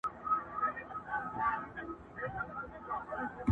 خو درد لا پاتې وي ډېر،